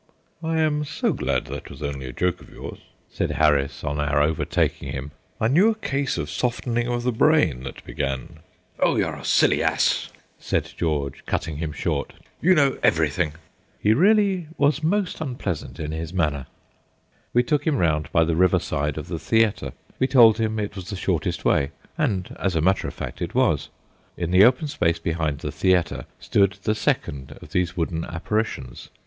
"I am so glad that was only a joke of yours," said Harris, on our overtaking him. "I knew a case of softening of the brain that began " "Oh, you're a silly ass!" said George, cutting him short; "you know everything." He was really most unpleasant in his manner. We took him round by the riverside of the theatre. We told him it was the shortest way, and, as a matter of fact, it was. In the open space behind the theatre stood the second of these wooden apparitions.